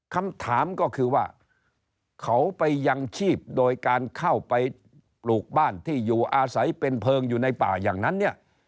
คำถามก็คือว่าเขาไปยังชีพโดยการเข้าไปปลูกบ้านที่อยู่อาศัยเป็นเพลิงอยู่ในป่าอย่างนั้นเนี่ย